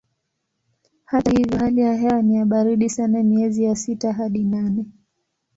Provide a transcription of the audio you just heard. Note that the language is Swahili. Hata hivyo hali ya hewa ni ya baridi sana miezi ya sita hadi nane.